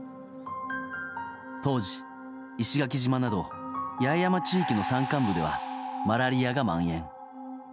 当時、石垣島など八重山地域の山間部ではマラリアが蔓延。